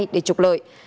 để trục lợi